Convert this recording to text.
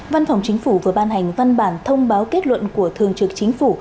văn phòng chính phủ vừa ban hành văn bản thông báo kết luận của thường trực chính phủ